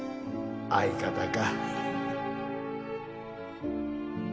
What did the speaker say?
相方か。